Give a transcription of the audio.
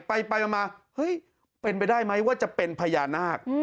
ไปมาเฮ้ยเป็นไปได้ไหมว่าจะเป็นพญานาค